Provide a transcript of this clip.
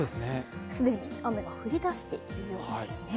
既に雨が降り出しているようですね。